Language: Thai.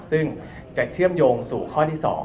ซึ่งจะเชื่อมโยงสู่ข้อที่๒